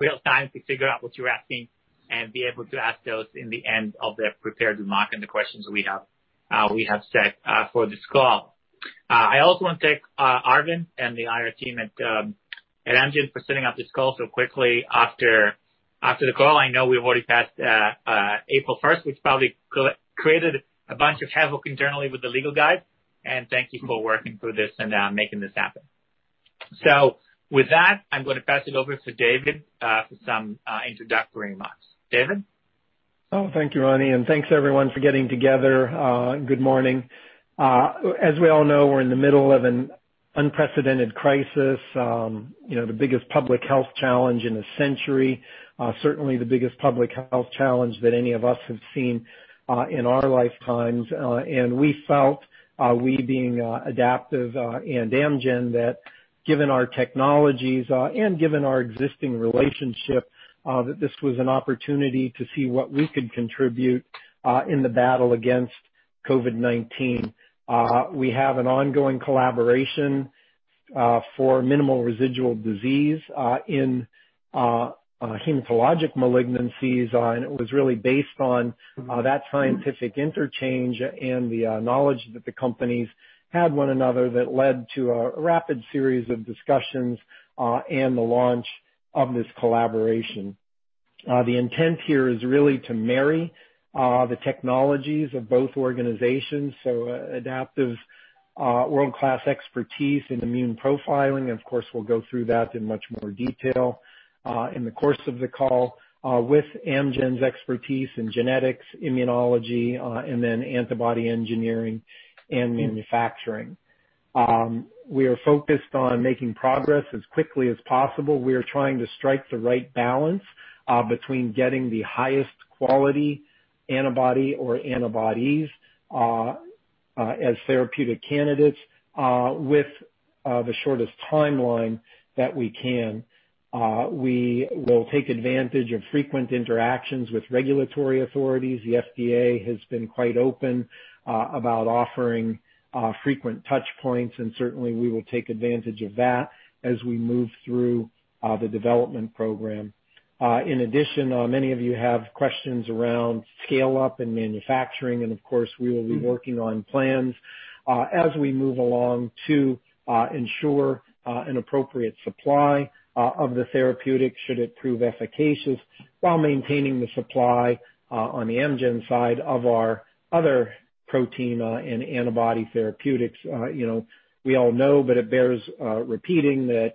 In real time to figure out what you're asking and be able to ask those in the end of the prepared remarks and the questions we have set for this call. I also want to thank Arvind and the IR team at Amgen for setting up this call so quickly after the call. I know we've already passed April 1st, which probably created a bunch of havoc internally with the legal guys, and thank you for working through this and making this happen. With that, I'm going to pass it over to David for some introductory remarks. David? Thank you, Ronny, and thanks, everyone, for getting together. Good morning. As we all know, we're in the middle of an unprecedented crisis. The biggest public health challenge in a century. Certainly the biggest public health challenge that any of us have seen in our lifetimes. We felt, we being Adaptive and Amgen, that given our technologies and given our existing relationship, that this was an opportunity to see what we could contribute in the battle against COVID-19. We have an ongoing collaboration for minimal residual disease in hematologic malignancies, and it was really based on that scientific interchange and the knowledge that the companies had one another that led to a rapid series of discussions and the launch of this collaboration. The intent here is really to marry the technologies of both organizations. Adaptive's world-class expertise in immune profiling, of course, we'll go through that in much more detail in the course of the call, with Amgen's expertise in genetics, immunology, and then antibody engineering and manufacturing. We are focused on making progress as quickly as possible. We are trying to strike the right balance between getting the highest quality antibody or antibodies as therapeutic candidates with the shortest timeline that we can. We will take advantage of frequent interactions with regulatory authorities. The FDA has been quite open about offering frequent touch points, and certainly, we will take advantage of that as we move through the development program. In addition, many of you have questions around scale-up and manufacturing, and of course, we will be working on plans as we move along to ensure an appropriate supply of the therapeutic, should it prove efficacious, while maintaining the supply on the Amgen side of our other protein and antibody therapeutics. We all know, but it bears repeating, that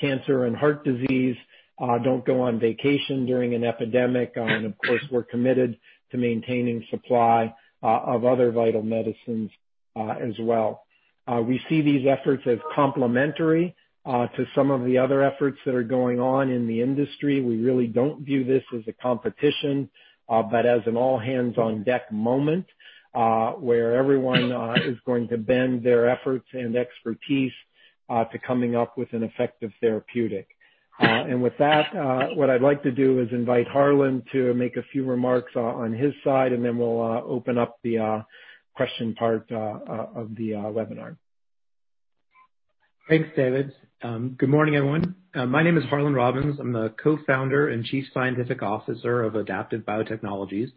cancer and heart disease don't go on vacation during an epidemic, and of course, we're committed to maintaining supply of other vital medicines as well. We see these efforts as complementary to some of the other efforts that are going on in the industry. We really don't view this as a competition, but as an all-hands-on-deck moment, where everyone is going to bend their efforts and expertise to coming up with an effective therapeutic. With that, what I'd like to do is invite Harlan to make a few remarks on his side, and then we'll open up the question part of the webinar. Thanks, David. Good morning, everyone. My name is Harlan Robins. I'm the Co-Founder and Chief Scientific Officer of Adaptive Biotechnologies.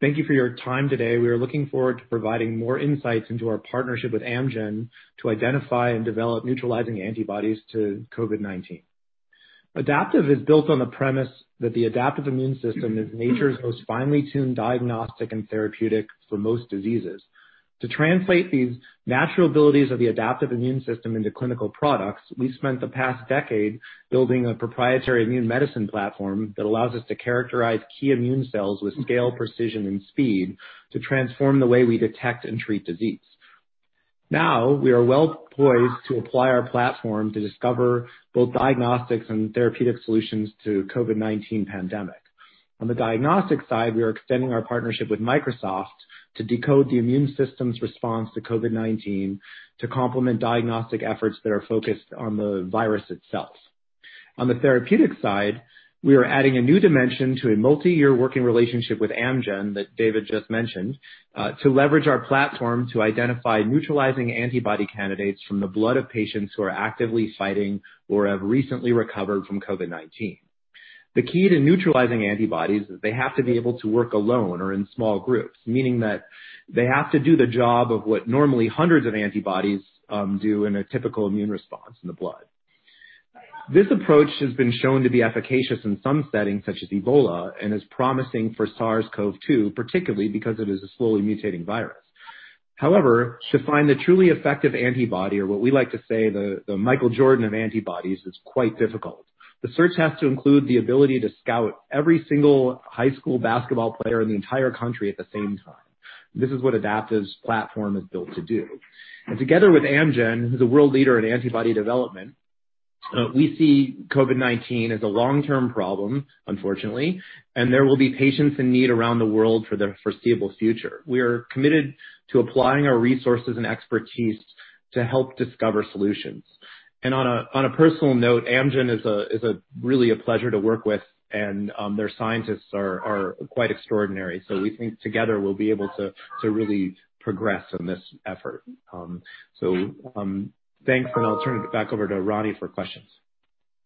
Thank you for your time today. We are looking forward to providing more insights into our partnership with Amgen to identify and develop neutralizing antibodies to COVID-19. Adaptive is built on the premise that the adaptive immune system is nature's most finely tuned diagnostic and therapeutic for most diseases. To translate these natural abilities of the adaptive immune system into clinical products, we spent the past decade building a proprietary immune medicine platform that allows us to characterize key immune cells with scale, precision, and speed to transform the way we detect and treat disease. Now, we are well poised to apply our platform to discover both diagnostics and therapeutic solutions to COVID-19 pandemic. On the diagnostic side, we are extending our partnership with Microsoft to decode the immune system's response to COVID-19 to complement diagnostic efforts that are focused on the virus itself. On the therapeutic side, we are adding a new dimension to a multi-year working relationship with Amgen that David just mentioned, to leverage our platform to identify neutralizing antibody candidates from the blood of patients who are actively fighting or have recently recovered from COVID-19. The key to neutralizing antibodies is they have to be able to work alone or in small groups, meaning that they have to do the job of what normally hundreds of antibodies do in a typical immune response in the blood. This approach has been shown to be efficacious in some settings, such as Ebola, and is promising for SARS-CoV-2, particularly because it is a slowly mutating virus. However, to find the truly effective antibody, or what we like to say, the Michael Jordan of antibodies, is quite difficult. The search has to include the ability to scout every single high school basketball player in the entire country at the same time. This is what Adaptive's platform is built to do. Together with Amgen, who's a world leader in antibody development, we see COVID-19 as a long-term problem, unfortunately, and there will be patients in need around the world for the foreseeable future. We are committed to applying our resources and expertise to help discover solutions. On a personal note, Amgen is really a pleasure to work with, and their scientists are quite extraordinary. We think together we'll be able to really progress in this effort. Thanks, and I'll turn it back over to Ronny for questions.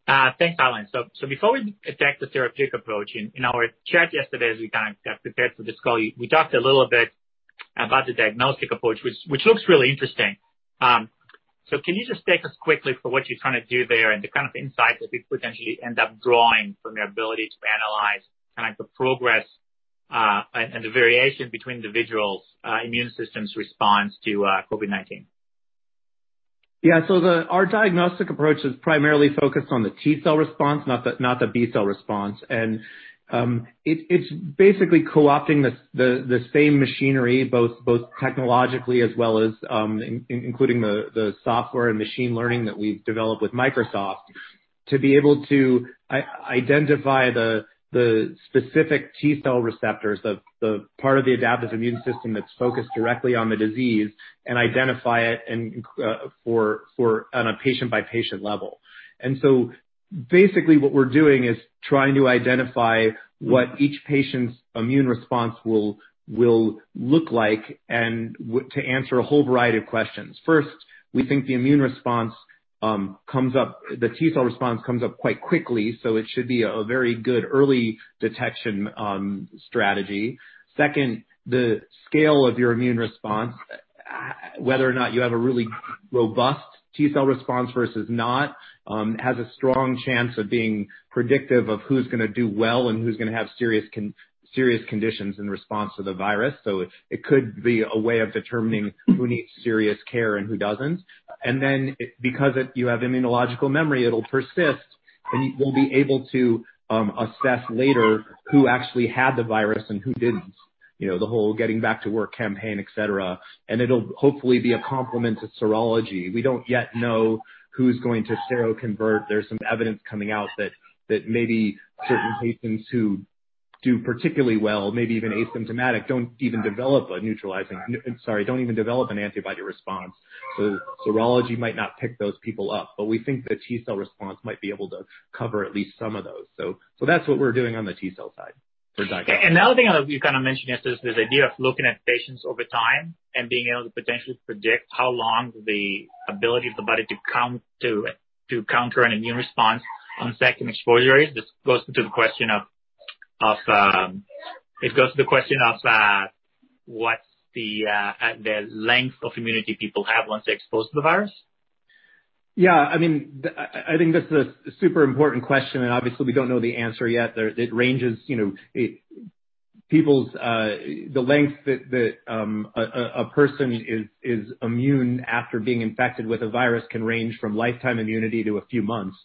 Thanks, Harlan. Before we attack the therapeutic approach, in our chat yesterday, as we got prepared for this call, we talked a little bit about the diagnostic approach, which looks really interesting. Can you just take us quickly for what you're trying to do there and the kind of insight that we potentially end up drawing from your ability to analyze the progress, and the variation between individuals' immune system's response to COVID-19? Yeah. Our diagnostic approach is primarily focused on the T cell response, not the B cell response. It's basically co-opting the same machinery, both technologically as well as including the software and machine learning that we've developed with Microsoft to be able to identify the specific T cell receptors, the part of the adaptive immune system that's focused directly on the disease and identify it on a patient-by-patient level. Basically what we're doing is trying to identify what each patient's immune response will look like and to answer a whole variety of questions. First, we think the T cell response comes up quite quickly, so it should be a very good early detection strategy. Second the scale of your immune response, whether or not you have a really robust T cell response versus not, has a strong chance of being predictive of who's going to do well and who's going to have serious conditions in response to the virus. It could be a way of determining who needs serious care and who doesn't. Because you have immunological memory, it'll persist, and we'll be able to assess later who actually had the virus and who didn't. The whole getting back to work campaign, et cetera. It'll hopefully be a complement to serology. We don't yet know who's going to seroconvert. There's some evidence coming out that maybe certain patients who do particularly well, maybe even asymptomatic, don't even develop an antibody response. Serology might not pick those people up, but we think the T cell response might be able to cover at least some of those. That's what we're doing on the T cell side for diagnostics. The other thing you mentioned is this idea of looking at patients over time and being able to potentially predict how long the ability of the body to counter an immune response on second exposure is. This goes to the question of what's the length of immunity people have once they're exposed to the virus? Yeah. I think that's a super important question, and obviously, we don't know the answer yet. The length that a person is immune after being infected with a virus can range from lifetime immunity to a few months.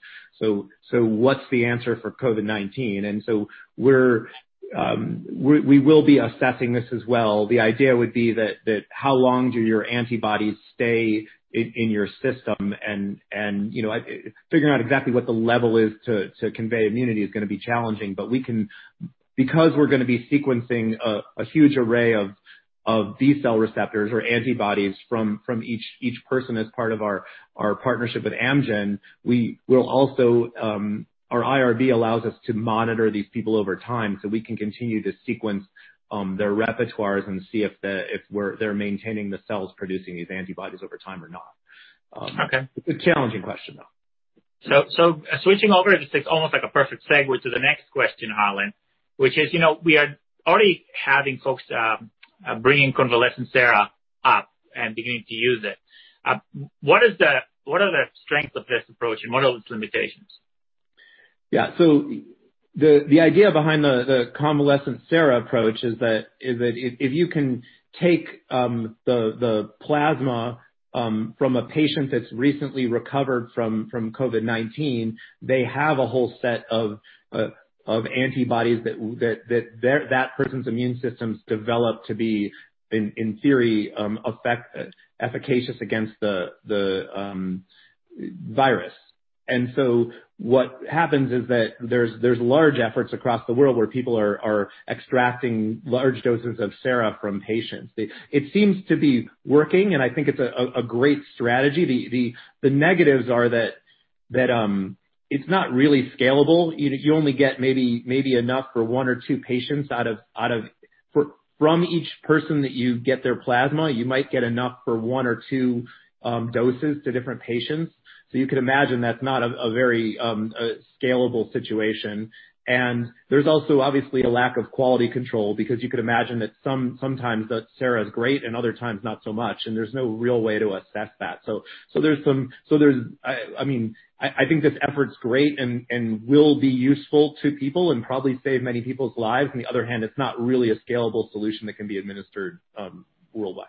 What's the answer for COVID-19? We will be assessing this as well. The idea would be that, how long do your antibodies stay in your system? Figuring out exactly what the level is to convey immunity is going to be challenging. Because we're going to be sequencing a huge array of B cell receptors or antibodies from each person as part of our partnership with Amgen, our IRB allows us to monitor these people over time so we can continue to sequence their repertoires and see if they're maintaining the cells producing these antibodies over time or not. Okay. It's a challenging question, though. Switching over, this is almost like a perfect segue to the next question, Harlan, which is, we are already having folks bringing convalescent sera up and beginning to use it. What are the strengths of this approach and what are its limitations? Yeah. The idea behind the convalescent sera approach is that if you can take the plasma from a patient that's recently recovered from COVID-19, they have a whole set of antibodies that that person's immune systems develop to be, in theory, efficacious against the virus. What happens is that there's large efforts across the world where people are extracting large doses of sera from patients. It seems to be working, and I think it's a great strategy. The negatives are that it's not really scalable. From each person that you get their plasma, you might get enough for one or two doses to different patients. You could imagine that's not a very scalable situation. There's also obviously a lack of quality control because you could imagine that sometimes the sera is great and other times not so much, and there's no real way to assess that. I think this effort's great and will be useful to people and probably save many people's lives. On the other hand, it's not really a scalable solution that can be administered worldwide.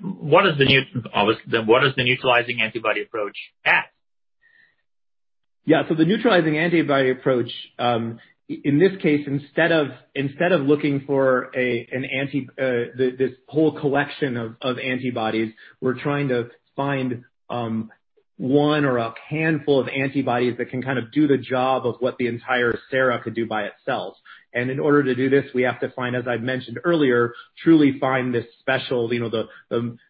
What is the neutralizing antibody approach at? Yeah. The neutralizing antibody approach, in this case, instead of looking for this whole collection of antibodies, we're trying to find one or a handful of antibodies that can do the job of what the entire sera could do by itself. In order to do this, we have to, as I've mentioned earlier, truly find this special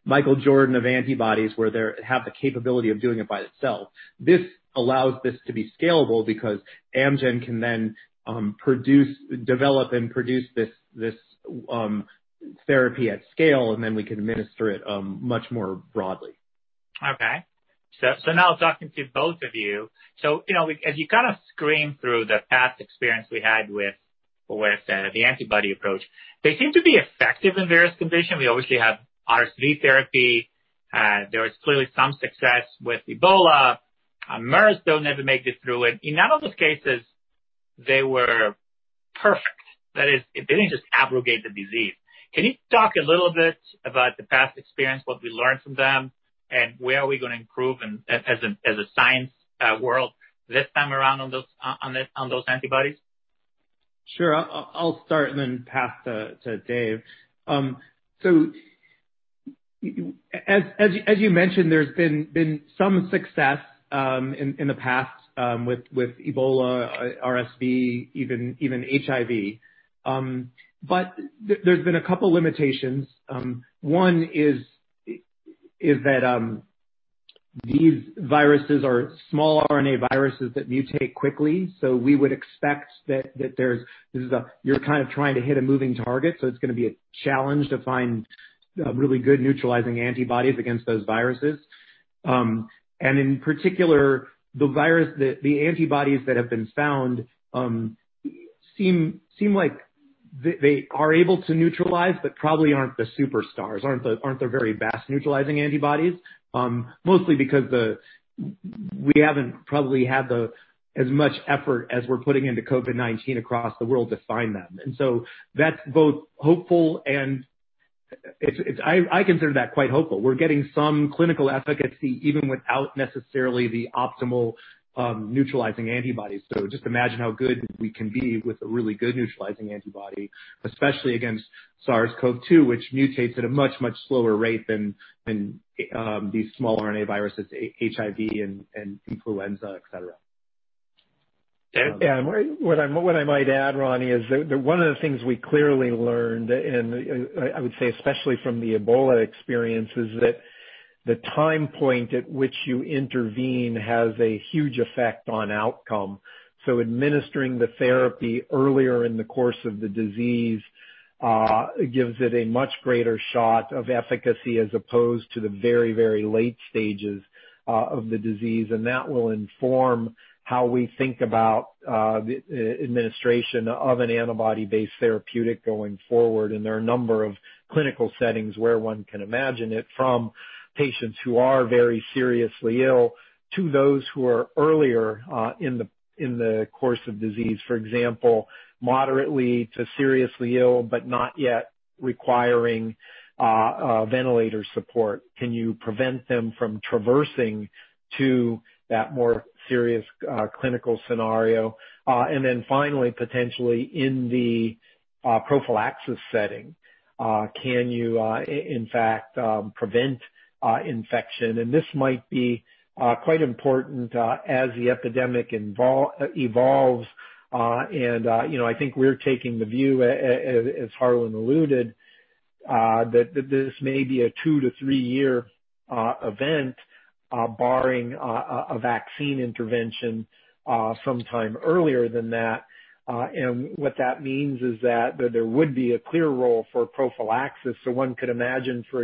Michael Jordan of antibodies, where they have the capability of doing it by itself. This allows this to be scalable because Amgen can then develop and produce this therapy at scale, and then we can administer it much more broadly. Okay. Now talking to both of you. As you screen through the past experience we had with the antibody approach, they seem to be effective in various conditions. We obviously have RSV therapy. There was clearly some success with Ebola. MERS don't ever make it through it. In none of those cases, they were perfect. That is, they didn't just abrogate the disease. Can you talk a little bit about the past experience, what we learned from them, and where are we going to improve as a science world this time around on those antibodies? Sure. I'll start and then pass to Dave. As you mentioned, there's been some success in the past with Ebola, RSV, even HIV. There's been a couple limitations. One is that these viruses are small RNA viruses that mutate quickly. We would expect that you're trying to hit a moving target, so it's going to be a challenge to find really good neutralizing antibodies against those viruses. In particular, the antibodies that have been found seem like they are able to neutralize, but probably aren't the superstars, aren't the very vast neutralizing antibodies. Mostly because we haven't probably had as much effort as we're putting into COVID-19 across the world to find them. That's both hopeful and I consider that quite hopeful. We're getting some clinical efficacy even without necessarily the optimal neutralizing antibodies. Just imagine how good we can be with a really good neutralizing antibody, especially against SARS-CoV-2, which mutates at a much, much slower rate than these small RNA viruses, HIV, and influenza, et cetera. What I might add, Ronny, is that one of the things we clearly learned, and I would say especially from the Ebola experience, is that the time point at which you intervene has a huge effect on outcome. Administering the therapy earlier in the course of the disease gives it a much greater shot of efficacy as opposed to the very, very late stages of the disease. That will inform how we think about the administration of an antibody-based therapeutic going forward. There are a number of clinical settings where one can imagine it from patients who are very seriously ill to those who are earlier in the course of disease. For example, moderately to seriously ill, but not yet requiring ventilator support. Can you prevent them from traversing to that more serious clinical scenario? Finally, potentially in the prophylaxis setting, can you in fact prevent infection? This might be quite important as the epidemic evolves, and I think we're taking the view, as Harlan alluded, that this may be a two to three-year event, barring a vaccine intervention sometime earlier than that. What that means is that there would be a clear role for prophylaxis. One could imagine, for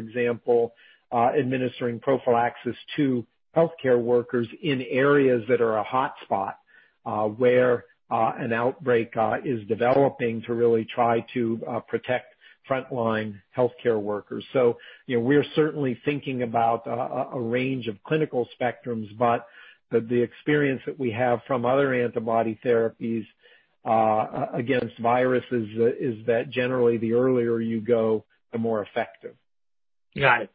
example, administering prophylaxis to healthcare workers in areas that are a hotspot where an outbreak is developing to really try to protect frontline healthcare workers. We're certainly thinking about a range of clinical spectrums, but the experience that we have from other antibody therapies against viruses is that generally the earlier you go, the more effective. Got it.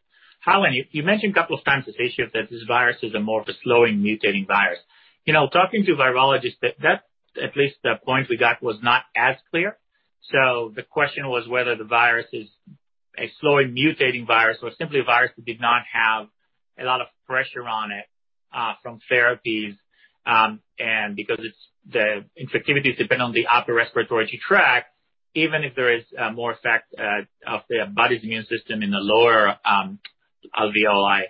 Harlan, you mentioned a couple of times this issue that this virus is a more of a slowly mutating virus. Talking to virologists, at least the points we got was not as clear. The question was whether the virus is a slowly mutating virus or simply a virus that did not have a lot of pressure on it from therapies, and because its infectivity is dependent on the upper respiratory tract, even if there is more effect of the body's immune system in the lower alveoli,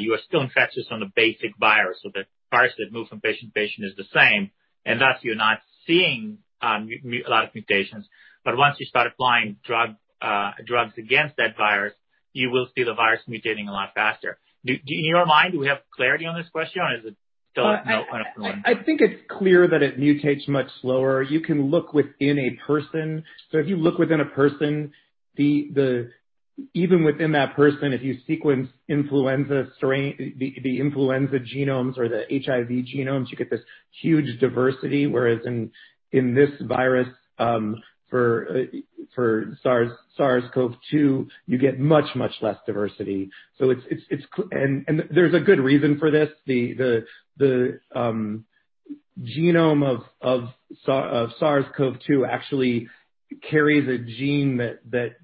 you are still infectious on the basic virus. The virus that moves from patient to patient is the same, and thus you're not seeing a lot of mutations, but once you start applying drugs against that virus, you will see the virus mutating a lot faster. In your mind, do we have clarity on this question, or is it still kind of unknown? I think it's clear that it mutates much slower. You can look within a person. If you look within a person, even within that person, if you sequence the influenza genomes or the HIV genomes, you get this huge diversity, whereas in this virus, for SARS-CoV-2, you get much, much less diversity. There's a good reason for this. The genome of SARS-CoV-2 actually carries a gene that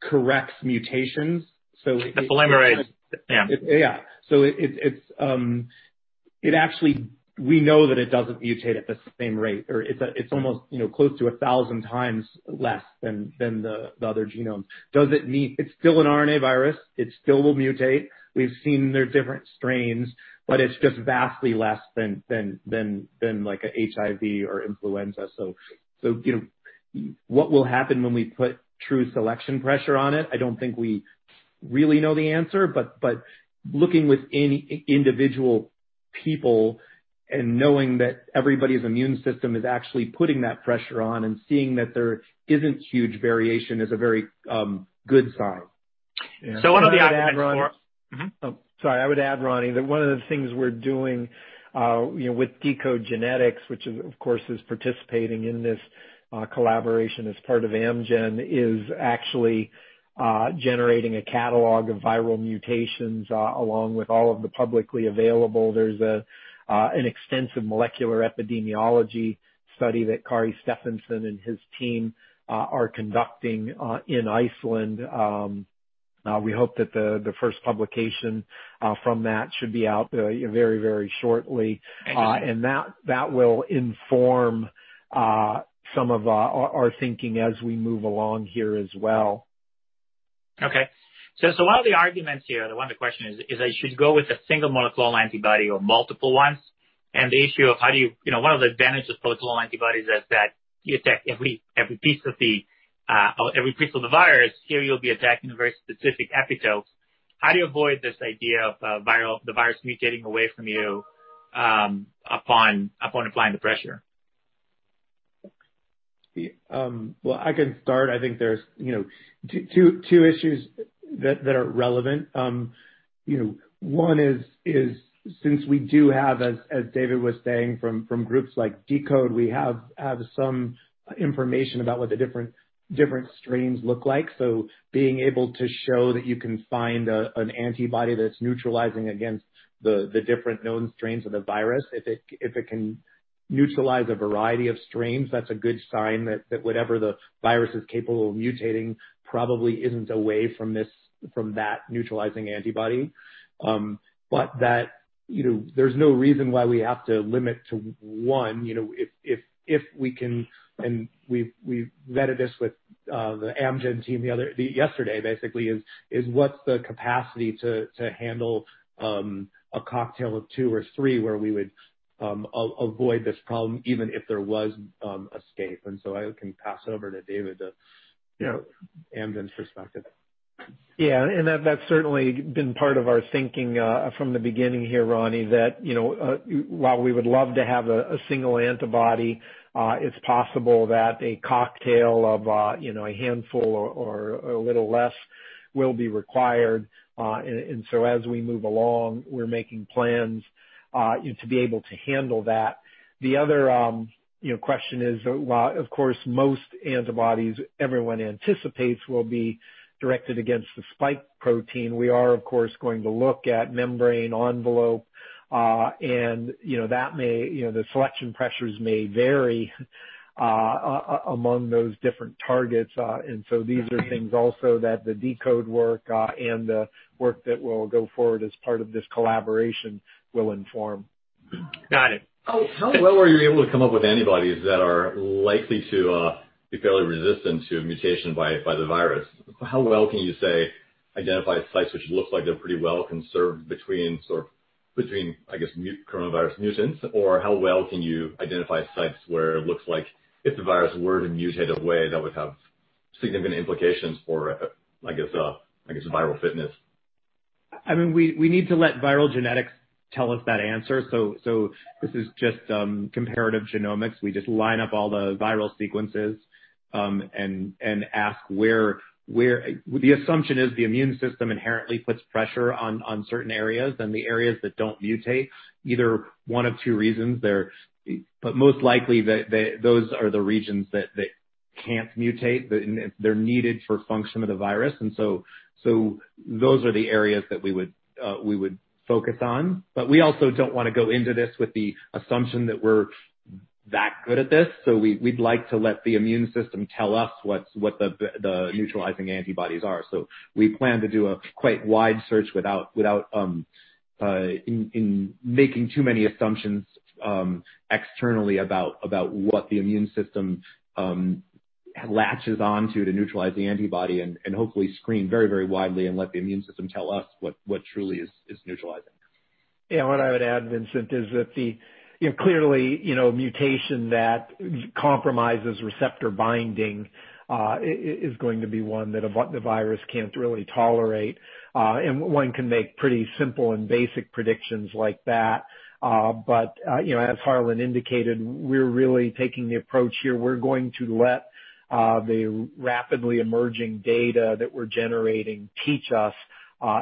corrects mutations. The polymerase. Yeah. We know that it doesn't mutate at the same rate, or it's almost close to 1,000x less than the other genomes. It's still an RNA virus. It still will mutate. We've seen their different strains, but it's just vastly less than like a HIV or influenza. What will happen when we put true selection pressure on it? I don't think we really know the answer, but looking with individual people and knowing that everybody's immune system is actually putting that pressure on and seeing that there isn't huge variation is a very good sign. So one of the arguments for- I would add, Ronny. Sorry. I would add, Ronny, that one of the things we're doing with deCODE genetics, which of course, is participating in this collaboration as part of Amgen, is actually generating a catalog of viral mutations along with all of the publicly available. There's an extensive molecular epidemiology study that Kári Stefánsson and his team are conducting in Iceland. We hope that the first publication from that should be out very shortly. Okay. That will inform some of our thinking as we move along here as well. Okay. A lot of the arguments here, the question is, should I go with a single monoclonal antibody or multiple ones? The issue of one of the advantages of monoclonal antibodies is that you attack every piece of the virus. Here you'll be attacking a very specific epitope. How do you avoid this idea of the virus mutating away from you upon applying the pressure? Well, I can start. I think there's two issues that are relevant. One is since we do have, as David was saying, from groups like deCODE, we have some information about what the different strains look like. Being able to show that you can find an antibody that's neutralizing against the different known strains of the virus, if it can neutralize a variety of strains, that's a good sign that whatever the virus is capable of mutating probably isn't away from that neutralizing antibody. There's no reason why we have to limit to one. We vetted this with the Amgen team yesterday, basically, is what's the capacity to handle a cocktail of two or three where we would avoid this problem even if there was escape. I can pass over to David. Yeah Amgen's perspective. Yeah. That's certainly been part of our thinking from the beginning here, Ronny, that while we would love to have a single antibody, it's possible that a cocktail of a handful or a little less will be required. So as we move along we making plans to be able to handle that. The other question is, while of course, most antibodies everyone anticipates will be directed against the spike protein, we are, of course, going to look at membrane envelope, and the selection pressures may vary among those different targets. These are things also that the deCODE work, and the work that will go forward as part of this collaboration will inform. Got it. How well are you able to come up with antibodies that are likely to be fairly resistant to mutation by the virus? How well can you, say, identify sites which look like they're pretty well-conserved between coronavirus mutants? How well can you identify sites where it looks like if the virus were to mutate a way that would have significant implications for its viral fitness? We need to let viral genetics tell us that answer. This is just comparative genomics. We just line up all the viral sequences, and ask where. The assumption is the immune system inherently puts pressure on certain areas, and the areas that don't mutate, either one of two reasons. Most likely, those are the regions that can't mutate, they're needed for function of the virus. Those are the areas that we would focus on. We also don't want to go into this with the assumption that we're that good at this. We'd like to let the immune system tell us what the neutralizing antibodies are. We plan to do a quite wide search without making too many assumptions externally about what the immune system latches onto to neutralize the antibody, and hopefully screen very widely and let the immune system tell us what truly is neutralizing. Yeah. What I would add, Vincent, is that clearly, a mutation that compromises receptor binding is going to be one that the virus can't really tolerate. One can make pretty simple and basic predictions like that. As Harlan indicated, we're really taking the approach here, we're going to let the rapidly emerging data that we're generating teach us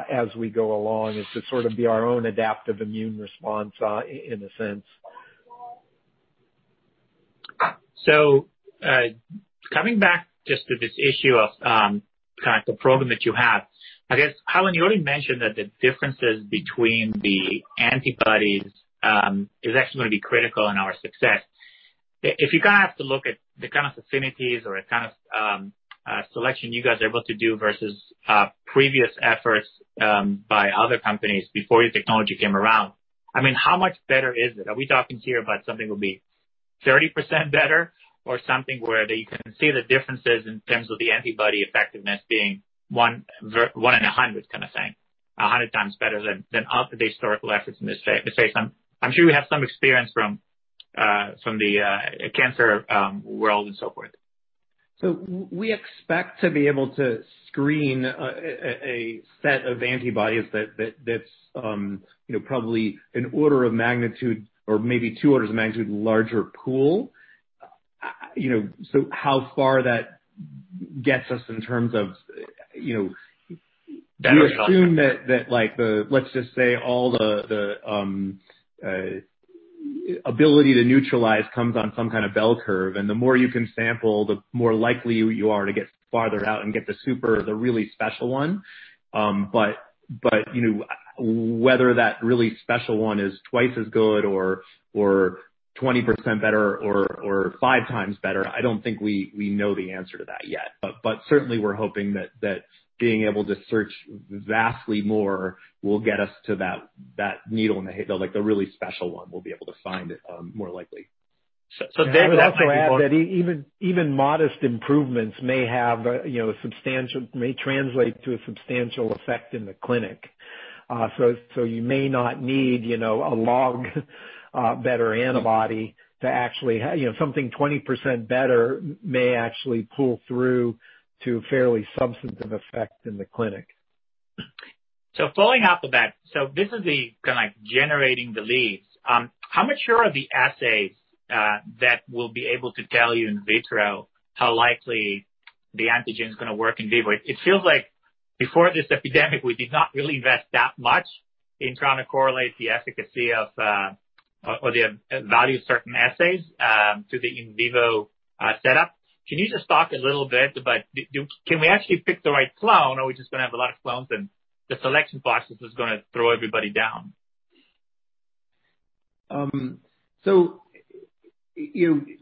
as we go along. It's to sort of be our own adaptive immune response in a sense. Coming back just to this issue of the problem that you have, I guess, Harlan, you already mentioned that the differences between the antibodies is actually going to be critical in our success. If you have to look at the kind of affinities or selection you guys are able to do versus previous efforts by other companies before your technology came around, how much better is it? Are we talking here about something that will be 30% better or something where you can see the differences in terms of the antibody effectiveness being one in 100 kind of thing? 100 times better than all the historical efforts in this space. I'm sure we have some experience from the cancer world and so forth. We expect to be able to screen a set of antibodies that's probably an order of magnitude or maybe two orders of magnitude larger pool. How far that gets us in terms of. Better. We assume that, let's just say all the ability to neutralize comes on some kind of bell curve. The more you can sample, the more likely you are to get farther out and get the super, the really special one. Whether that really special one is twice as good or 20% better or 5x better, I don't think we know the answer to that yet. Certainly we're hoping that being able to search vastly more will get us to that needle in the hay-- like the really special one, we'll be able to find it more likely. David. I would also add that even modest improvements may translate to a substantial effect in the clinic. You may not need a log better antibody to actually have something 20% better may actually pull through to a fairly substantive effect in the clinic. Following up with that, so this is the kind of like generating the leads. How mature are the assays that will be able to tell you in vitro how likely the antigen is going to work in vivo? It feels like before this epidemic, we did not really invest that much in trying to correlate the efficacy of or the value of certain assays to the in vivo setup. Can you just talk a little bit about can we actually pick the right clone or are we just going to have a lot of clones and the selection process is going to throw everybody down? A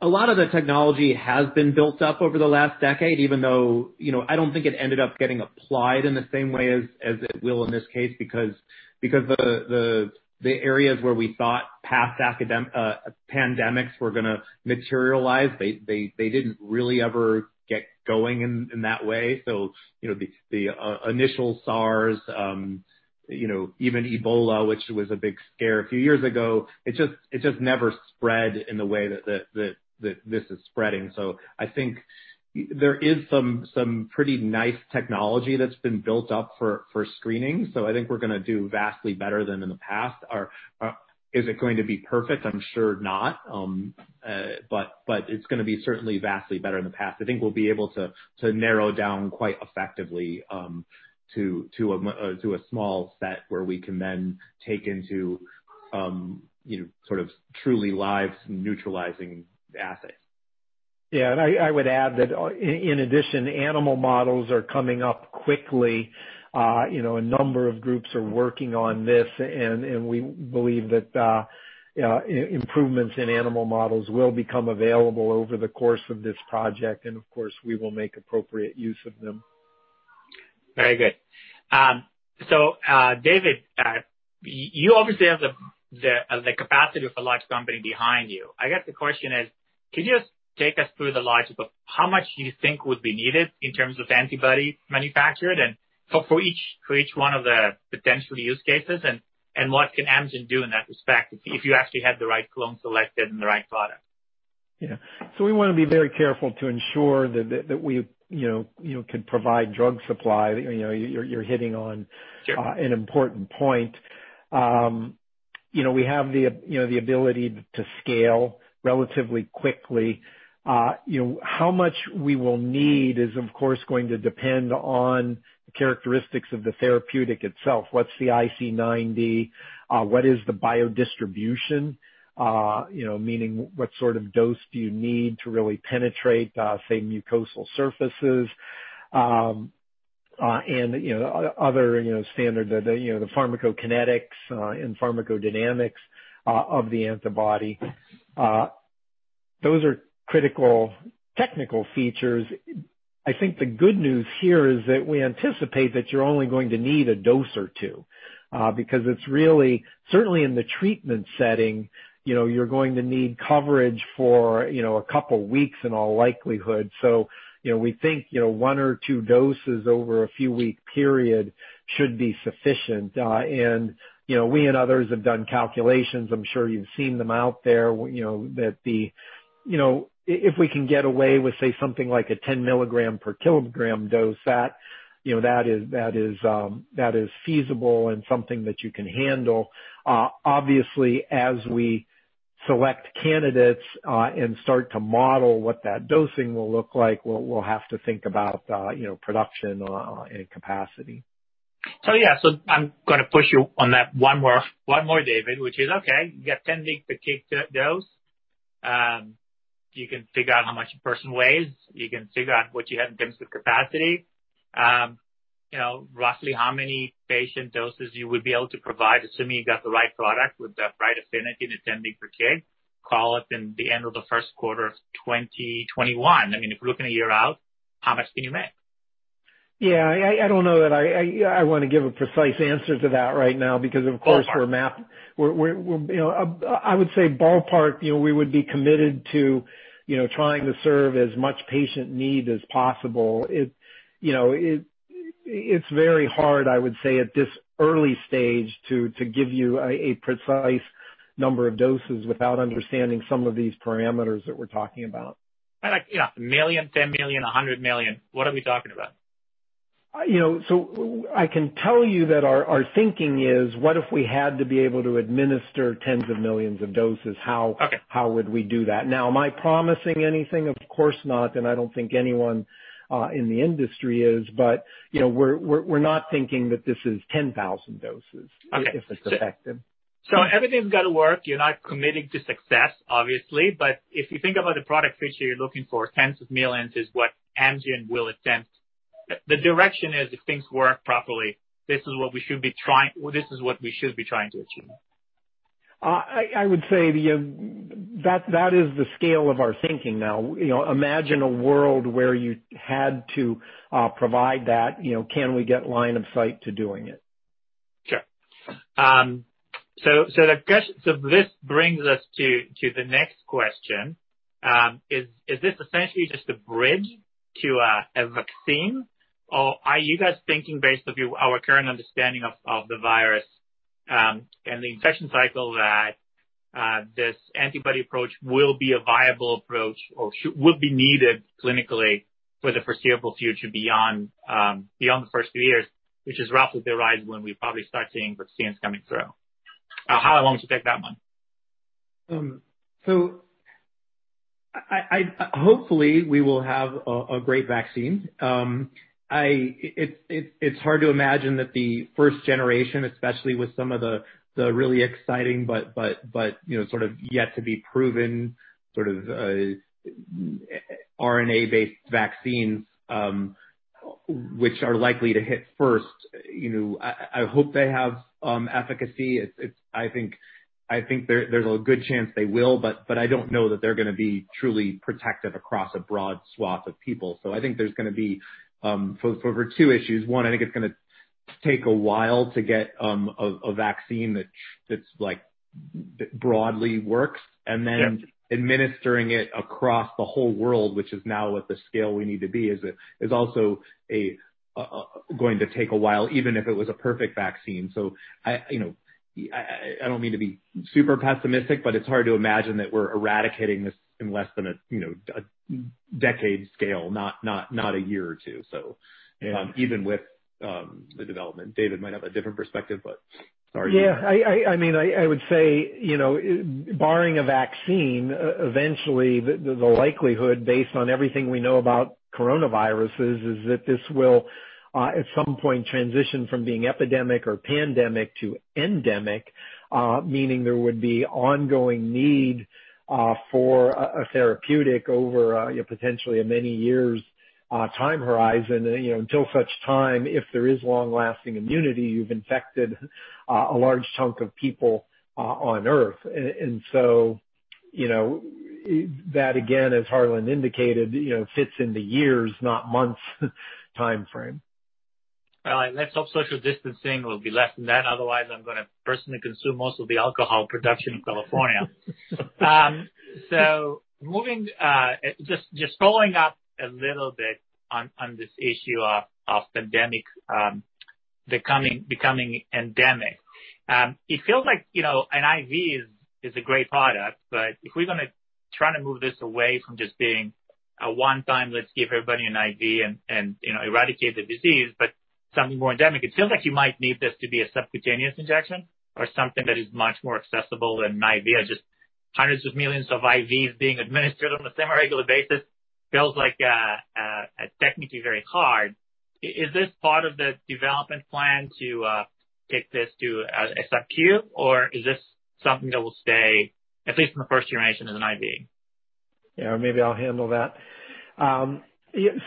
lot of the technology has been built up over the last decade, even though I don't think it ended up getting applied in the same way as it will in this case because the areas where we thought past pandemics were going to materialize, they didn't really ever get going in that way. The initial SARS, even Ebola, which was a big scare a few years ago, it just never spread in the way that this is spreading. I think there is some pretty nice technology that's been built up for screening. I think we're going to do vastly better than in the past. Is it going to be perfect? I'm sure not. It's going to be certainly vastly better than the past. I think we'll be able to narrow down quite effectively to a small set where we can then take into sort of truly live neutralizing assays. Yeah, I would add that in addition, animal models are coming up quickly. A number of groups are working on this, and we believe that improvements in animal models will become available over the course of this project. Of course, we will make appropriate use of them. Very good. David, you obviously have the capacity of a large company behind you. I guess the question is, could you take us through the lights of how much you think would be needed in terms of antibody manufactured and for each one of the potential use cases, and what can Amgen do in that respect if you actually had the right clone selected and the right product? Yeah. We want to be very careful to ensure that we could provide drug supply. Sure an important point. We have the ability to scale relatively quickly. How much we will need is, of course, going to depend on the characteristics of the therapeutic itself. What's the IC90? What is the biodistribution? Meaning what sort of dose do you need to really penetrate, say, mucosal surfaces? The pharmacokinetics and pharmacodynamics of the antibody. Those are critical technical features. I think the good news here is that we anticipate that you're only going to need a dose or two because it's really, certainly in the treatment setting, you're going to need coverage for a couple of weeks in all likelihood. We think one or two doses over a few week period should be sufficient. We and others have done calculations, I'm sure you've seen them out there, if we can get away with, say, something like a 10 mg per kilogram dose, that is feasible and something that you can handle. Obviously, as we select candidates and start to model what that dosing will look like, we'll have to think about production and capacity. I'm going to push you on that one more, David, which is okay, you got 10 mg per kilogram dose. You can figure out how much a person weighs. You can figure out what you have in terms of capacity. Roughly how many patient doses you would be able to provide, assuming you got the right product with the right affinity and 10 mg per kilogram, call it in the end of the first quarter of 2021. I mean, if we're looking a year out, how much can you make? I don't know that I want to give a precise answer to that right now because, of course, I would say ballpark, we would be committed to trying to serve as much patient need as possible. It's very hard, I would say, at this early stage, to give you a precise number of doses without understanding some of these parameters that we're talking about. Like 1 million, 10 million, 100 million. What are we talking about? I can tell you that our thinking is, what if we had to be able to administer tens of millions of doses? Okay. How would we do that? Now, am I promising anything? Of course not, and I don't think anyone in the industry is. We're not thinking that this is 10,000 doses- Okay if it's effective. Everything's got to work. You're not committing to success, obviously. If you think about the product feature, you're looking for tens of millions is what Amgen will attempt. The direction is, if things work properly, this is what we should be trying to achieve. I would say that is the scale of our thinking now. Imagine a world where you had to provide that. Can we get line of sight to doing it? Sure. This brings us to the next question. Is this essentially just a bridge to a vaccine? Are you guys thinking, based off our current understanding of the virus, and the infection cycle, that this antibody approach will be a viable approach or would be needed clinically for the foreseeable future beyond the first few years, which is roughly the horizon when we probably start seeing vaccines coming through? Harlan, why don't you take that one? Hopefully we will have a great vaccine. It's hard to imagine that the first generation, especially with some of the really exciting but sort of yet to be proven sort of RNA-based vaccines, which are likely to hit first. I hope they have efficacy. I think there's a good chance they will, but I don't know that they're going to be truly protective across a broad swath of people. I think there's going to be, so for two issues. One, it is take a while to get vaccine broadly works. Yep administering it across the whole world, which is now at the scale we need to be, is also going to take a while, even if it was a perfect vaccine. I don't mean to be super pessimistic, but it's hard to imagine that we're eradicating this in less than a decade scale, not a year or two, even with the development. David might have a different perspective, but Sorry. Yeah. I would say barring a vaccine, eventually the likelihood, based on everything we know about coronaviruses, is that this will, at some point, transition from being epidemic or pandemic to endemic. Meaning there would be ongoing need for a therapeutic over potentially a many years time horizon, until such time, if there is long-lasting immunity, you've infected a large chunk of people on Earth. That again, as Harlan indicated, fits in the years, not months, timeframe. All right. Let's hope social distancing will be less than that. Otherwise, I'm going to personally consume most of the alcohol production in California. Just following up a little bit on this issue of pandemic becoming endemic. It feels like an IV is a great product, but if we're going to try to move this away from just being a one-time, let's give everybody an IV and eradicate the disease, but something more endemic, it seems like you might need this to be a subcutaneous injection or something that is much more accessible than an IV, or just hundreds of millions of IVs being administered on a semi-regular basis feels like technically very hard. Is this part of the development plan to take this to a Sub-Q, or is this something that will stay, at least in the first generation, as an IV? Yeah, maybe I'll handle that.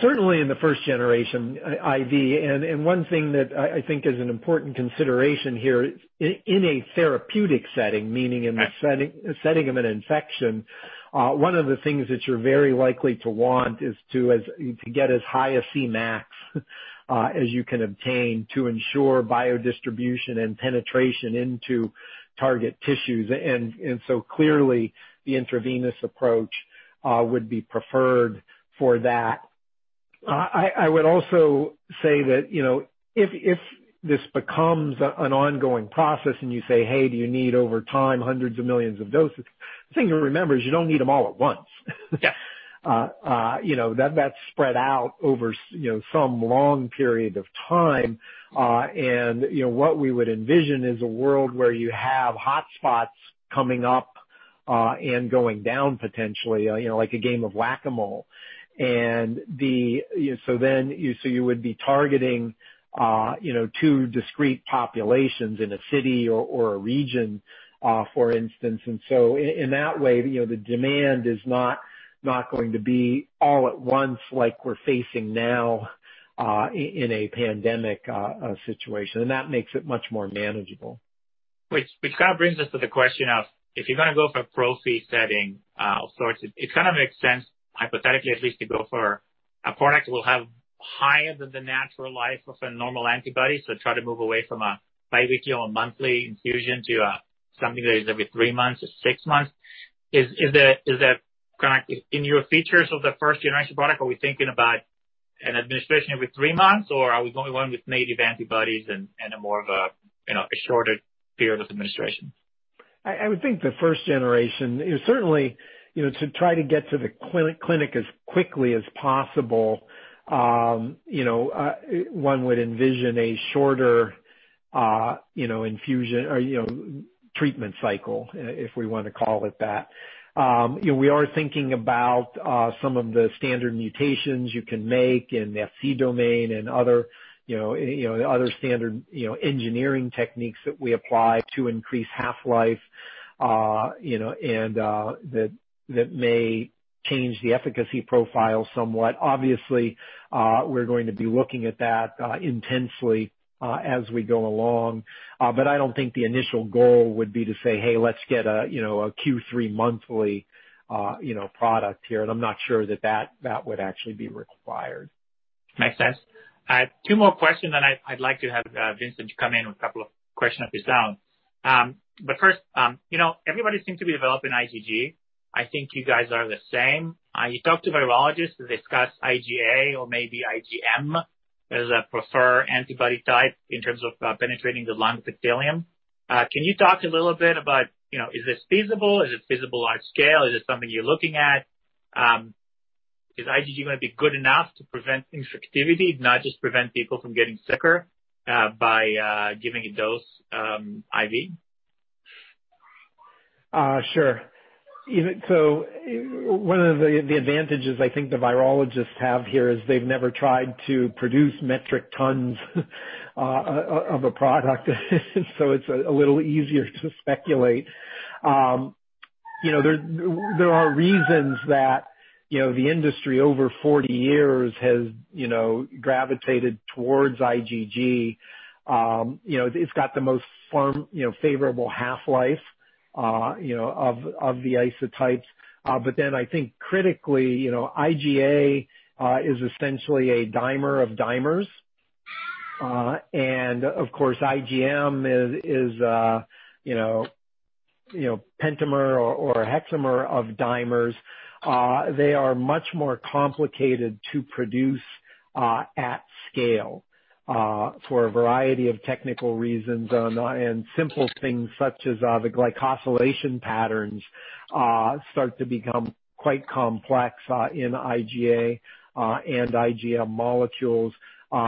Certainly in the first generation, IV. One thing that I think is an important consideration here in a therapeutic setting, meaning in the setting of an infection, one of the things that you're very likely to want is to get as high a Cmax as you can obtain to ensure biodistribution and penetration into target tissues. Clearly, the intravenous approach would be preferred for that. I would also say that if this becomes an ongoing process and you say, "Hey, do you need, over time, hundreds of millions of doses?" The thing to remember is you don't need them all at once. Yeah. That's spread out over some long period of time. What we would envision is a world where you have hotspots coming up, and going down potentially, like a game of Whac-A-Mole. You would be targeting two discrete populations in a city or a region, for instance. In that way, the demand is not going to be all at once like we're facing now, in a pandemic situation. That makes it much more manageable. Which kind of brings us to the question of, if you're going to go for a prophy setting of sorts, it kind of makes sense, hypothetically at least, to go for a product that will have higher than the natural life of a normal antibody. Try to move away from a biweekly or monthly infusion to something that is every three months or six months. Correct. In your features of the first generation product, are we thinking about an administration every three months, or are we going with native antibodies and a more of a shorter period of administration? I would think the first generation is certainly to try to get to the clinic as quickly as possible. One would envision a shorter infusion or treatment cycle, if we want to call it that. We are thinking about some of the standard mutations you can make in the Fc domain and other standard engineering techniques that we apply to increase half-life, and that may change the efficacy profile somewhat. Obviously, we're going to be looking at that intensely as we go along. I don't think the initial goal would be to say, "Hey, let's get a Q3 monthly product here." I'm not sure that would actually be required. Makes sense. I have two more questions, then I'd like to have Vincent come in with a couple of questions of his own. First, everybody seems to be developing IgG. I think you guys are the same. You talked to virologists to discuss IgA or maybe IgM as a preferred antibody type in terms of penetrating the lung epithelium. Can you talk a little bit about, is this feasible? Is it feasible large scale? Is it something you're looking at? Is IgG going to be good enough to prevent infectivity, not just prevent people from getting sicker, by giving a dose IV? Sure. One of the advantages I think the virologists have here is they've never tried to produce metric tons of a product. It's a little easier to speculate. There are reasons that the industry over 40 years has gravitated towards IgG. It's got the most firm favorable half-life of the isotypes. I think critically, IgA is essentially a dimer of dimers. Of course, IgM is pentamer or hexamer of dimers. They are much more complicated to produce at scale for a variety of technical reasons and simple things such as the glycosylation patterns start to become quite complex in IgA and IgM molecules,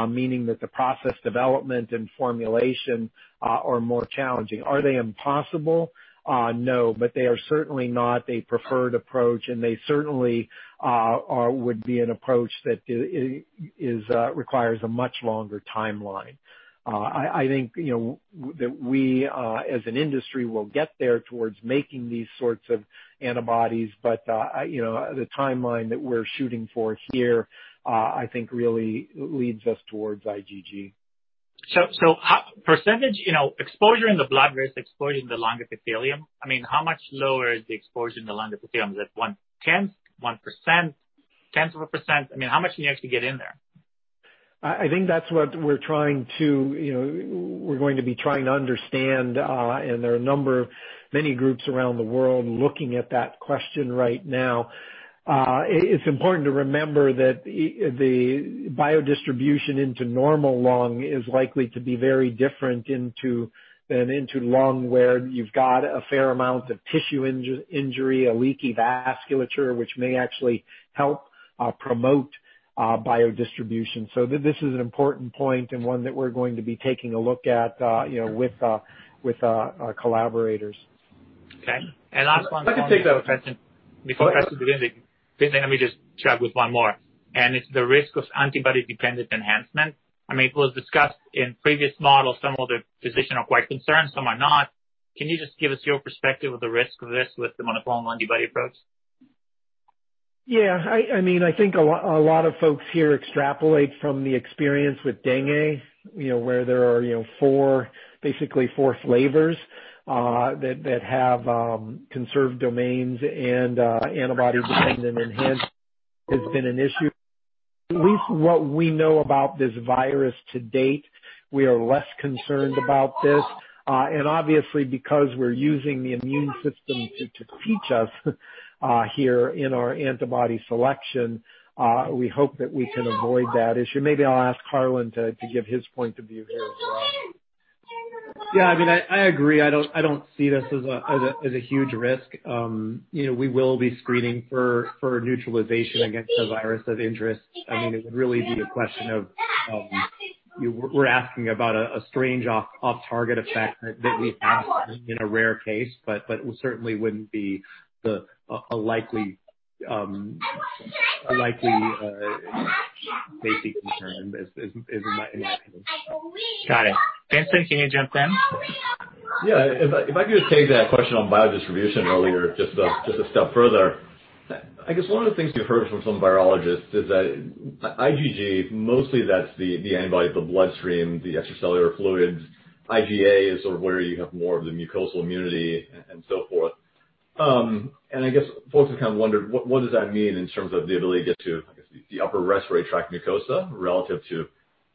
meaning that the process development and formulation are more challenging. Are they impossible? No, but they are certainly not a preferred approach, and they certainly would be an approach that requires a much longer timeline. I think that we, as an industry, will get there towards making these sorts of antibodies, but the timeline that we're shooting for here I think really leads us towards IgG. Percentage, exposure in the blood versus exposure in the lung epithelium. How much lower is the exposure in the lung epithelium? Is it 1/10%, 1%? How much can you actually get in there? I think that's what we're going to be trying to understand. There are many groups around the world looking at that question right now. It's important to remember that the biodistribution into normal lung is likely to be very different than into lung where you've got a fair amount of tissue injury, a leaky vasculature, which may actually help promote biodistribution. This is an important point and one that we're going to be taking a look at with our collaborators. Okay. last one. I can take that. Before Vincent. Vincent, let me just check with one more, and it's the risk of antibody-dependent enhancement. It was discussed in previous models. Some of the physicians are quite concerned, some are not. Can you just give us your perspective of the risk of this with the monoclonal antibody approach? Yeah. I think a lot of folks here extrapolate from the experience with dengue, where there are basically four flavors that have conserved domains and antibody-dependent enhancement has been an issue. At least what we know about this virus to date, we are less concerned about this. Obviously because we're using the immune system to teach us here in our antibody selection, we hope that we can avoid that issue. Maybe I'll ask Harlan to give his point of view here as well. Yeah. I agree. I don't see this as a huge risk. We will be screening for neutralization against the virus of interest. It would really be the question of we're asking about a strange off-target effect that we've had in a rare case, but certainly wouldn't be a likely basic concern is in my opinion. Got it. Vincent, can you jump in? Yeah. If I could just take that question on biodistribution earlier, just a step further. I guess one of the things we've heard from some virologists is that IgG, mostly that's the antibody of the bloodstream, the extracellular fluids. IgA is sort of where you have more of the mucosal immunity and so forth. I guess folks have kind of wondered what does that mean in terms of the ability to get to, I guess the upper respiratory tract mucosa relative to.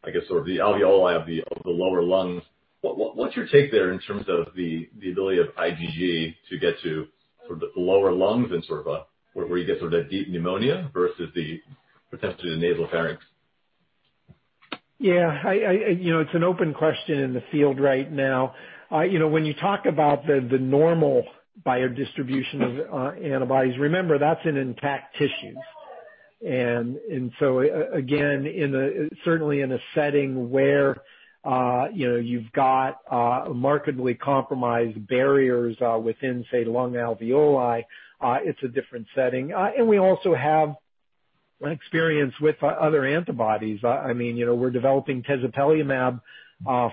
I guess sort of the alveoli of the lower lungs. What's your take there in terms of the ability of IgG to get to sort of the lower lungs and sort of where you get sort of deep pneumonia versus potentially the nasopharynx? Yeah. It's an open question in the field right now. When you talk about the normal biodistribution of antibodies, remember, that's an intact tissue. Again, certainly in a setting where you've got markedly compromised barriers within, say, lung alveoli, it's a different setting. We also have experience with other antibodies. We're developing tezepelumab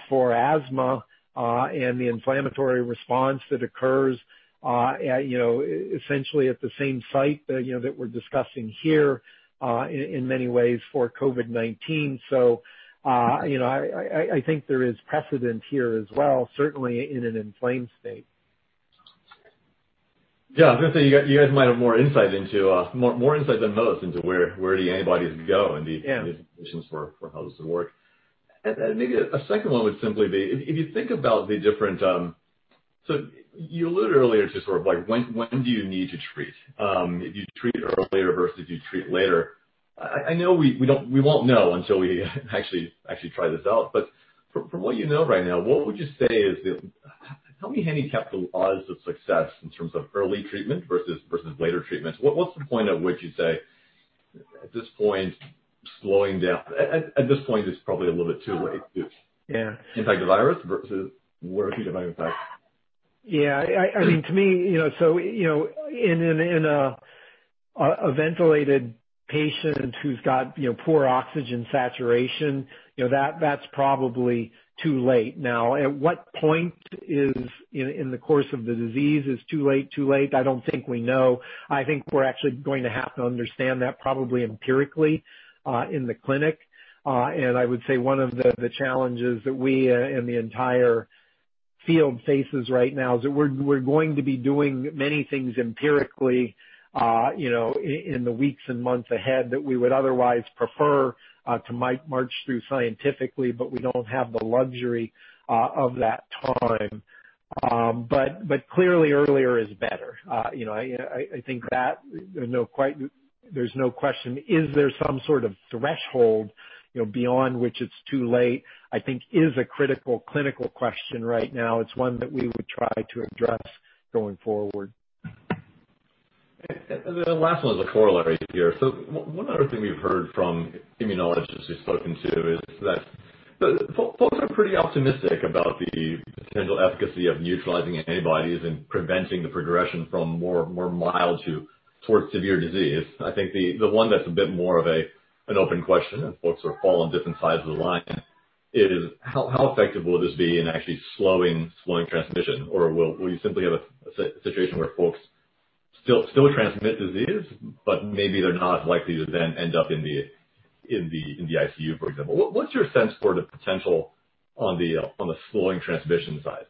for asthma, and the inflammatory response that occurs essentially at the same site that we're discussing here, in many ways for COVID-19. I think there is precedent here as well, certainly in an inflamed state. Yeah. I was going to say, you guys might have more insight than most into where the antibodies go. Yeah The conditions for how this would work. Maybe a second one would simply be, if you think about the different. You alluded earlier to sort of like, when do you need to treat? If you treat earlier versus you treat later. I know we won't know until we actually try this out, but from what you know right now, Tell me, handing capital odds of success in terms of early treatment versus later treatments. What's the point at which you'd say, "At this point, it's slowing down. At this point, it's probably a little bit too late to. Yeah. attack the virus versus where is the virus at? Yeah. To me, in a ventilated patient who's got poor oxygen saturation, that's probably too late now. At what point in the course of the disease is too late, too late? I don't think we know. I think we're actually going to have to understand that probably empirically, in the clinic. I would say one of the challenges that we and the entire field faces right now is that we're going to be doing many things empirically in the weeks and months ahead that we would otherwise prefer to march through scientifically, but we don't have the luxury of that time. Clearly earlier is better. I think that there's no question. Is there some sort of threshold beyond which it's too late, I think is a critical clinical question right now. It's one that we would try to address going forward. The last one is a corollary here. One other thing we've heard from immunologists we've spoken to is that folks are pretty optimistic about the potential efficacy of neutralizing antibodies and preventing the progression from more mild towards severe disease. I think the one that's a bit more of an open question, and folks sort of fall on different sides of the line, is how effective will this be in actually slowing transmission? Will you simply have a situation where folks still transmit disease, but maybe they're not as likely to then end up in the ICU, for example. What's your sense for the potential on the slowing transmission side?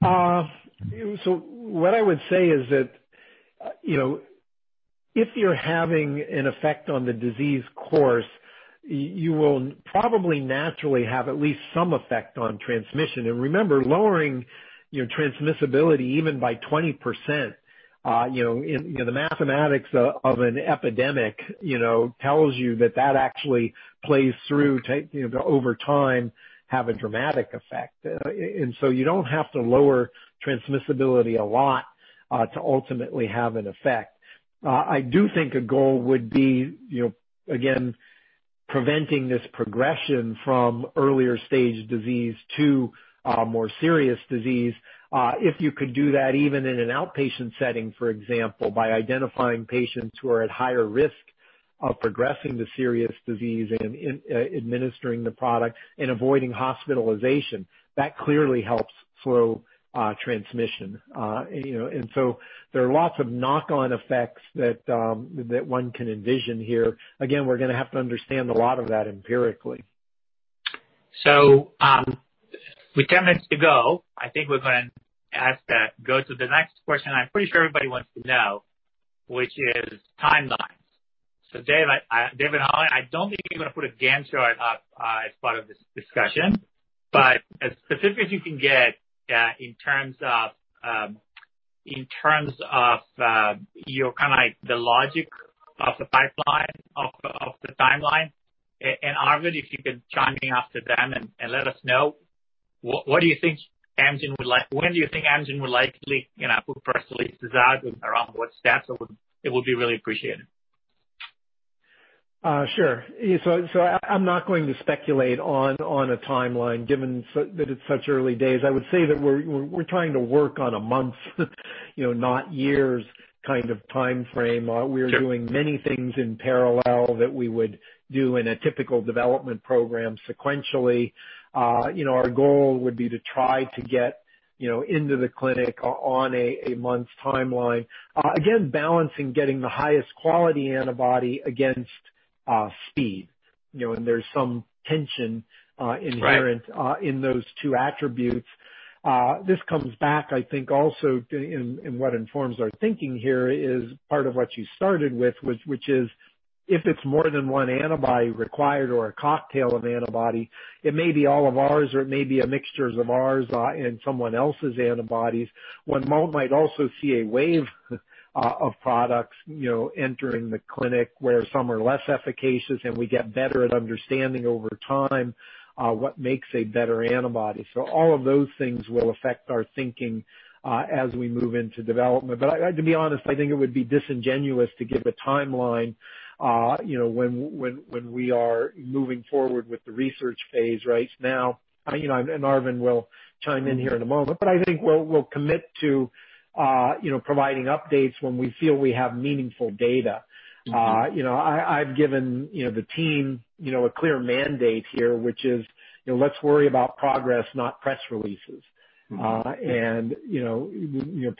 What I would say is that if you're having an effect on the disease course, you will probably naturally have at least some effect on transmission. Remember, lowering your transmissibility even by 20%, the mathematics of an epidemic tells you that that actually plays through, over time, have a dramatic effect. You don't have to lower transmissibility a lot to ultimately have an effect. I do think a goal would be, again, preventing this progression from earlier stage disease to a more serious disease. If you could do that even in an outpatient setting, for example, by identifying patients who are at higher risk of progressing to serious disease and administering the product and avoiding hospitalization, that clearly helps slow transmission. There are lots of knock-on effects that one can envision here. Again, we're going to have to understand a lot of that empirically. With 10 minutes to go, I think we're going to have to go to the next question I'm pretty sure everybody wants to know, which is timelines. David and Harlan, I don't think you're going to put a Gantt chart up as part of this discussion, but as specific as you can get in terms of the logic of the pipeline, of the timeline. Arvind, if you could chime in after them and let us know, when do you think Amgen would likely put first release designs around what stats? It would be really appreciated. Sure. I'm not going to speculate on a timeline given that it's such early days. I would say that we're trying to work on a month, not years kind of timeframe. Sure. We're doing many things in parallel that we would do in a typical development program sequentially. Our goal would be to try to get into the clinic on a month's timeline. Again, balancing getting the highest quality antibody against speed, and there's some tension. Right inherent in those two attributes. This comes back, I think, also in what informs our thinking here is part of what you started with, which is: If it's more than one antibody required or a cocktail of antibody, it may be all of ours, or it may be a mixture of ours and someone else's antibodies. One might also see a wave of products entering the clinic, where some are less efficacious, and we get better at understanding over time what makes a better antibody. All of those things will affect our thinking as we move into development. To be honest, I think it would be disingenuous to give a timeline when we are moving forward with the research phase right now. Arvind will chime in here in a moment, but I think we'll commit to providing updates when we feel we have meaningful data. I've given the team a clear mandate here, which is, let's worry about progress, not press releases.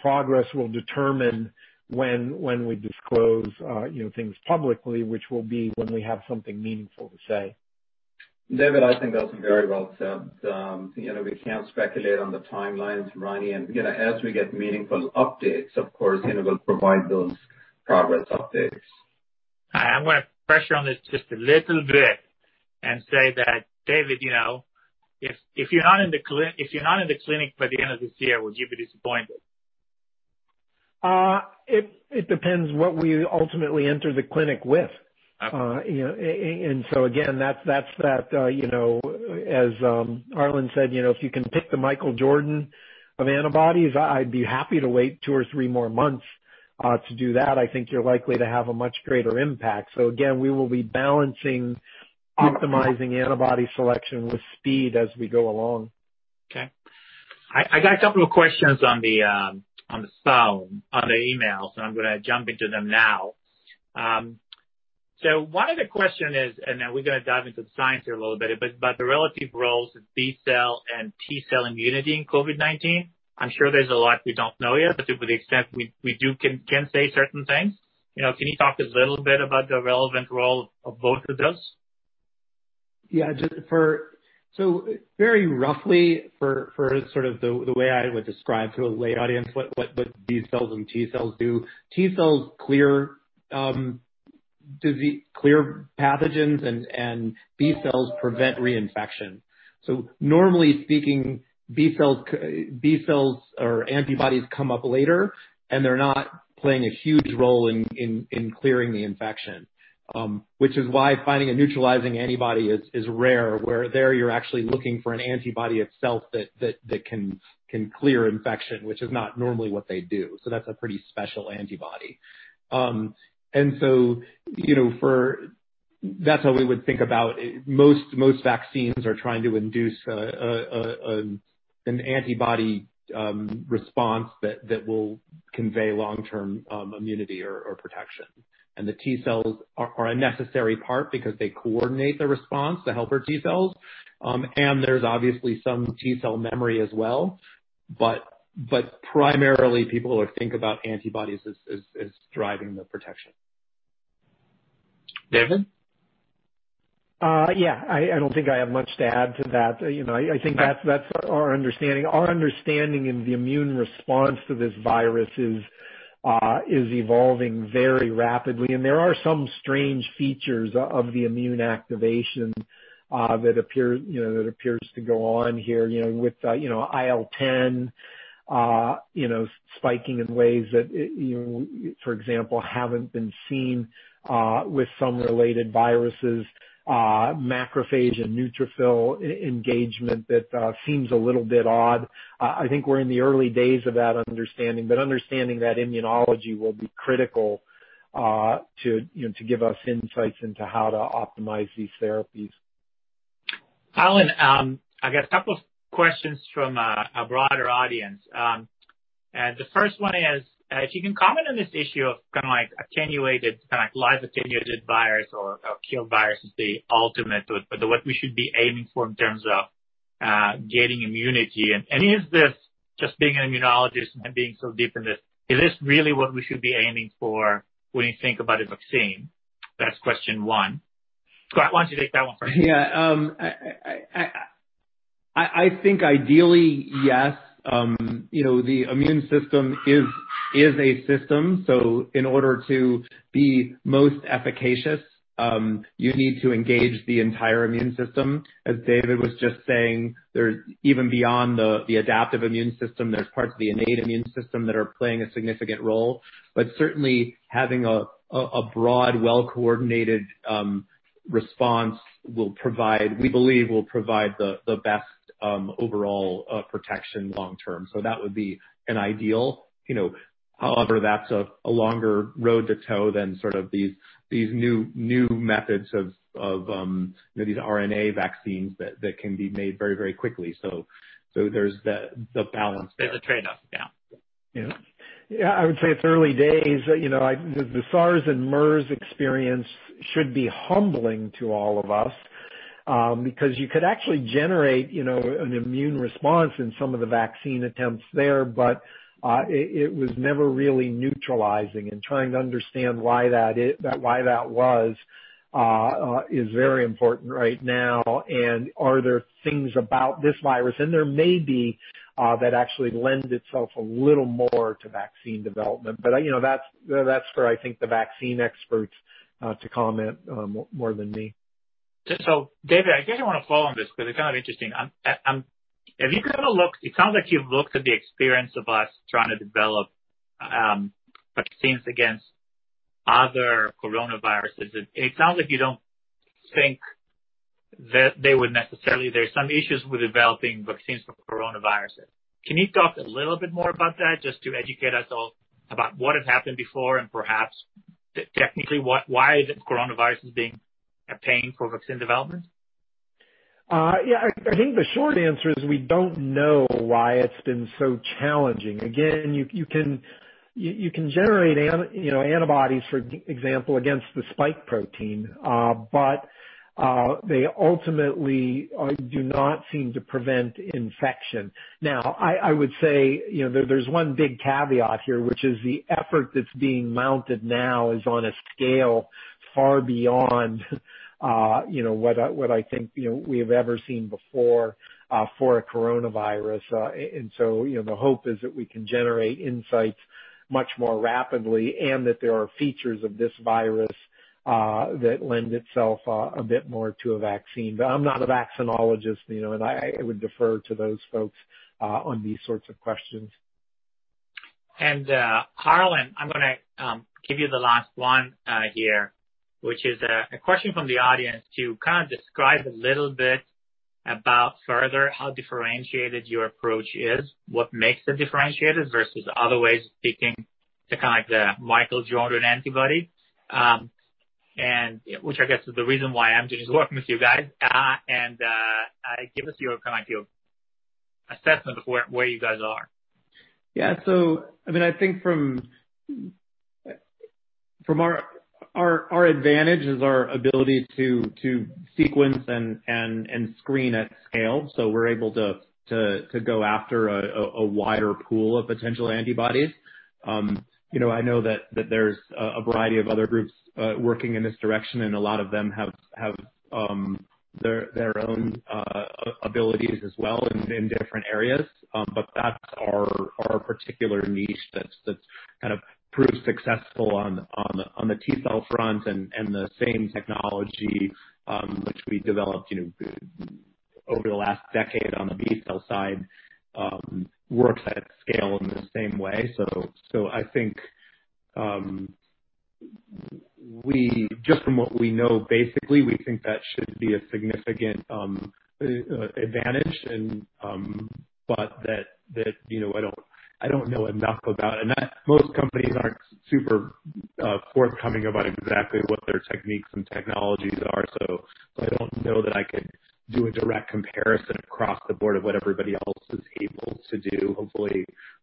Progress will determine when we disclose things publicly, which will be when we have something meaningful to say. David, I think that's very well said. We can't speculate on the timelines, Ronny. As we get meaningful updates, of course, we'll provide those progress updates. I'm going to pressure on this just a little bit and say that, David, if you're not in the clinic by the end of this year, would you be disappointed? It depends what we ultimately enter the clinic with. Okay. Again, as Harlan said, if you can pick the Michael Jordan of antibodies, I'd be happy to wait two or three more months to do that. I think you're likely to have a much greater impact. Again, we will be balancing, optimizing antibody selection with speed as we go along. Okay. I got a couple of questions on the email, so I'm going to jump into them now. One of the question is, and then we're going to dive into the science here a little bit, but the relative roles of B cell and T cell immunity in COVID-19. I'm sure there's a lot we don't know yet, but to the extent we do, can say certain things. Can you talk a little bit about the relevant role of both of those? Yeah. Very roughly, for sort of the way I would describe to a lay audience what B cells and T cells do, T cells clear pathogens, and B cells prevent reinfection. Normally speaking, B cells or antibodies come up later, and they're not playing a huge role in clearing the infection. Which is why finding a neutralizing antibody is rare, where there you're actually looking for an antibody itself that can clear infection, which is not normally what they do. That's a pretty special antibody. That's how we would think about most vaccines are trying to induce an antibody response that will convey long-term immunity or protection. The T cells are a necessary part because they coordinate the response, the helper T cells. There's obviously some T cell memory as well. Primarily, people would think about antibodies as driving the protection. David? Yeah. I don't think I have much to add to that. I think that's our understanding. Our understanding in the immune response to this virus is evolving very rapidly, and there are some strange features of the immune activation that appears to go on here with IL-10 spiking in ways that, for example, haven't been seen with some related viruses. Macrophage and neutrophil engagement that seems a little bit odd. I think we're in the early days of that understanding, but understanding that immunology will be critical to give us insights into how to optimize these therapies. Arvind, I got a couple of questions from a broader audience. The first one is, if you can comment on this issue of live attenuated virus or a killed virus is the ultimate, what we should be aiming for in terms of getting immunity. Is this just being an immunologist and being so deep in this, it is really what we should be aiming for when you think about a vaccine? That's question one. Go ahead. Why don't you take that one first? Yeah. I think ideally, yes. The immune system is a system. In order to be most efficacious you need to engage the entire immune system. As David was just saying, even beyond the adaptive immune system, there's parts of the innate immune system that are playing a significant role. Certainly, having a broad, well-coordinated response, we believe, will provide the best overall protection long term. That would be an ideal. However, that's a longer road to tow than sort of these new methods of these RNA vaccines that can be made very quickly. There's the balance there. There's a trade-off. Yeah. Yeah. Yeah, I would say it's early days. The SARS and MERS experience should be humbling to all of us. You could actually generate an immune response in some of the vaccine attempts there, but it was never really neutralizing and trying to understand why that was is very important right now. Are there things about this virus, and there may be, that actually lend itself a little more to vaccine development. That's for, I think, the vaccine experts to comment more than me. David, I guess I want to follow on this because it's kind of interesting. It sounds like you've looked at the experience of us trying to develop vaccines against other coronaviruses. It sounds like you don't think that there are some issues with developing vaccines for coronaviruses. Can you talk a little bit more about that, just to educate us all about what has happened before and perhaps technically why the coronavirus is being a pain for vaccine development? Yeah. I think the short answer is we don't know why it's been so challenging. Again, you can generate antibodies, for example, against the spike protein. They ultimately do not seem to prevent infection. Now, I would say there's one big caveat here, which is the effort that's being mounted now is on a scale far beyond what I think we have ever seen before for a coronavirus. The hope is that we can generate insights much more rapidly, and that there are features of this virus that lend itself a bit more to a vaccine. I'm not a vaccinologist, and I would defer to those folks on these sorts of questions. Harlan, I'm going to give you the last one here, which is a question from the audience to describe a little bit about further how differentiated your approach is. What makes it differentiated versus other ways of taking the Michael Jordan antibody, which I guess is the reason why Amgen is working with you guys. Give us your assessment of where you guys are. Yeah. I think our advantage is our ability to sequence and screen at scale, so we're able to go after a wider pool of potential antibodies. I know that there's a variety of other groups working in this direction, and a lot of them have their own abilities as well in different areas. That's our particular niche that's kind of proved successful on the T cell front and the same technology which we developed over the last decade on the B cell side works at scale in the same way. I think just from what we know, basically, we think that should be a significant advantage. I don't know enough about it. Most companies aren't super forthcoming about exactly what their techniques and technologies are, so I don't know that I could do a direct comparison across the board of what everybody else is able to do.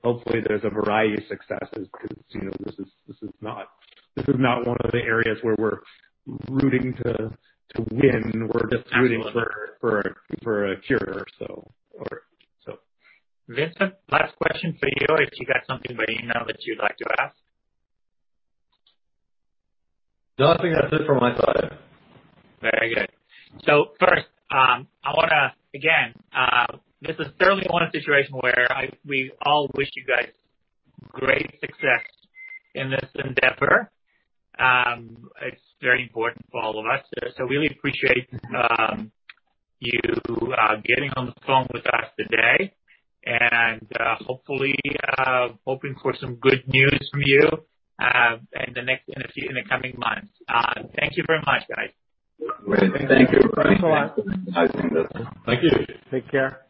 Hopefully, there's a variety of successes because this is not one of the areas where we're rooting to win. We're just rooting for a cure. Vincent, last question for you, if you got something by email that you'd like to ask. No, I think that's it from my side. Very good. First, again, this is certainly one situation where we all wish you guys great success in this endeavor. It's very important for all of us. Really appreciate you getting on the phone with us today, and hoping for some good news from you in the coming months. Thank you very much, guys. Thank you. Thanks a lot. Thank you. Take care.